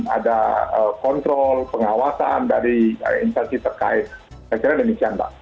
ada kontrol pengawasan dari instansi terkait saya kira demikian mbak